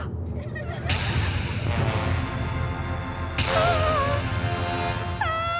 ああああ！